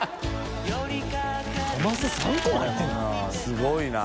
すごいな。